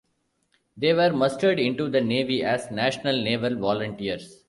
They were mustered into the Navy as National Naval Volunteers.